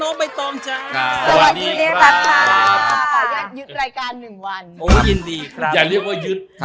โอ้ยินดีครับ